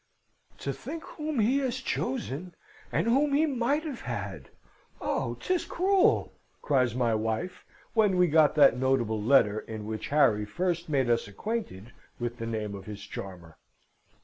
"To think whom he has chosen, and whom he might have had! Oh, 'tis cruel!" cries my wife, when we got that notable letter in which Harry first made us acquainted with the name of his charmer.